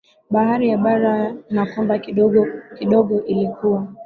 bahari ya bara na kwamba kidogo kidogo ilikuwa